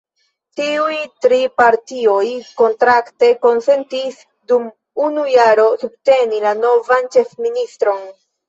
Tiuj tri partioj kontrakte konsentis dum unu jaro subteni la novan ĉefministron.